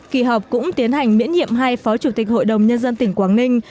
kỳ họp cũng tiến hành miễn nhiệm hai phó chủ tịch hội đồng nhân dân tỉnh quảng ninh